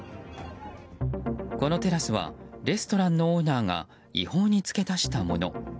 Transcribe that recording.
このテラスはレストランのオーナーが違法に付け足したもの。